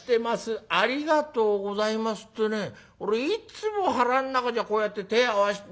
ありがとうございます』ってね俺いつも腹ん中じゃこうやって手ぇ合わして。